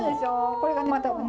これがねまたね